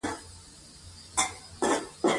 ښه تغذیه ذهن تېزوي.